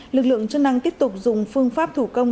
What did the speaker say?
lực lượng chức năng tiếp tục dùng phương pháp thủ công